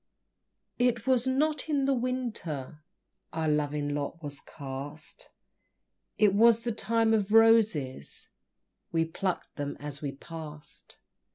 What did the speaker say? It was not in the Winter Our loving lot was cast; It was the Time of Roses, We plucked them as we passed!